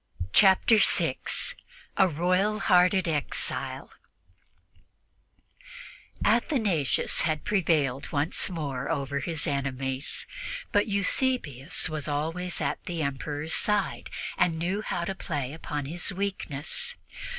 Chapter 6 A ROYAL HEARTED EXILE ATHANASIUS had prevailed once more over his enemies, but Eusebius was always at the Emperor's side and knew how to play upon his weakness.